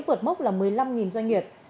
vượt mốc là một mươi năm doanh nghiệp